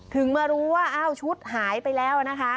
ถึงมารู้ว่าชุดหายไปแล้วนะคะ